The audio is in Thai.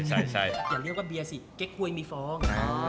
ใช่อย่าเรียกว่าเบียร์สิเก๊กหวยมีฟอง